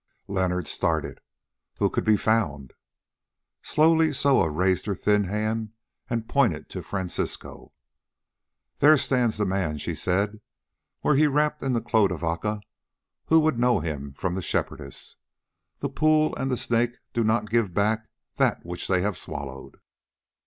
Leonard started. "Who can be found?" Slowly Soa raised her thin hand and pointed to Francisco. "There stands the man!" she said. "Were he wrapped in the cloak of Aca, who would know him from the Shepherdess? The pool and the Snake do not give back that which they have swallowed."